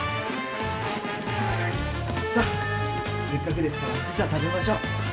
さあせっかくですからピザ食べましょう。